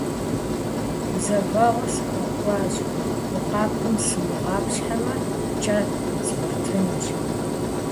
- Гузэвэгъуэ сыхэхуащ, уи къэпым сумыгъапщхьэмэ, кӏэ згъуэтынущ.